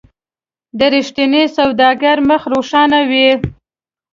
د رښتیني سوداګر مخ روښانه وي.